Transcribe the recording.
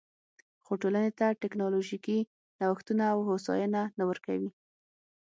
خو ټولنې ته ټکنالوژیکي نوښتونه او هوساینه نه ورکوي